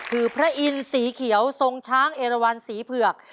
คือพระอินทร์สีเขียวทรงช้างเอราวันสีเผือก